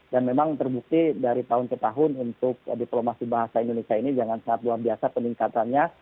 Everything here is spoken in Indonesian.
dan memang terbukti dari tahun ke tahun untuk diplomasi bahasa indonesia ini jangan sangat luar biasa peningkatannya